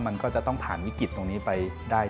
มันก็จะต้องผ่านวิกฤตตรงนี้ไปได้